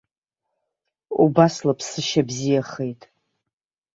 Убас лыԥсышьа бзиахеит.